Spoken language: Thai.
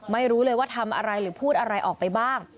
ไม่รู้เลยว่าทำอะไรหรือพูดอะไรออกไปบ้าง